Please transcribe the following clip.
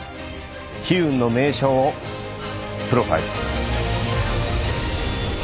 悲運の名将をプロファイル！